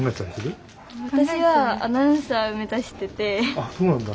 あっそうなんだ。